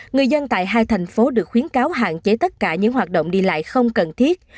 người dân tại hai thành phố được khuyến cáo hạn chế tất cả những hoạt động đi lại không cần thiết